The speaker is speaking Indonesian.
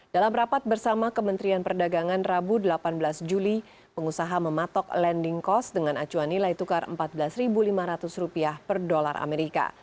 dalam rapat bersama kementerian perdagangan rabu delapan belas juli pengusaha mematok landing cost dengan acuan nilai tukar rp empat belas lima ratus per dolar amerika